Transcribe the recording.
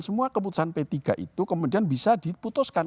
semua keputusan p tiga itu kemudian bisa diputuskan